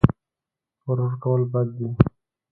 غرور کول بد دي